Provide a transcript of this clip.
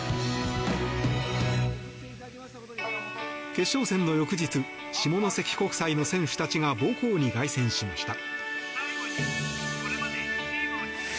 決勝戦の翌日下関国際の選手たちが母校に凱旋しました。